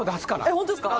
えっホントですか？